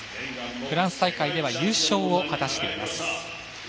フランス大会では優勝を果たしています。